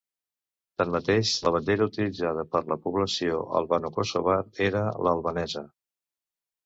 Tanmateix, la bandera utilitzada per la població albanokosovar era l'albanesa.